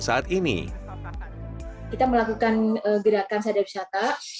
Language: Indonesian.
kita melakukan gerakan sadar wisata